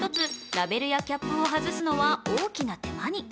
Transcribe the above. ラベルやキャップを外すのは大きな手間に。